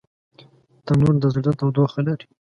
تنور د زړه تودوخه لري